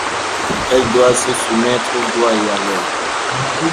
Elle doit se soumettre au doigt et à l'oeil.